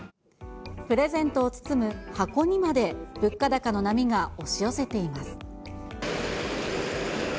プレゼントを包む箱にまで物価高の波が押し寄せています。